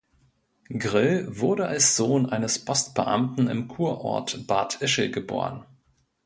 Grill wurde als Sohn eines Postbeamten im Kurort Bad Ischl geboren.